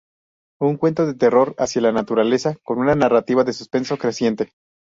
Un cuento de terror hacia la naturaleza con una narrativa de suspenso creciente.